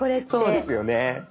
そうですよね。